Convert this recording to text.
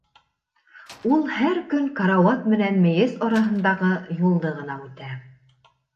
Ул һәр көн карауат менән мейес араһындағы юлды ғына үтә.